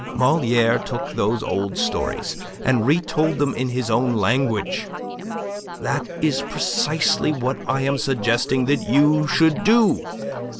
Moliere took those old stories and retold them in his own language. That is precisely what I am suggesting that you should do.